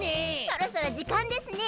そろそろじかんですね。